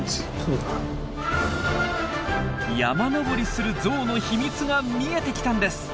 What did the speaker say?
山登りするゾウの秘密が見えてきたんです。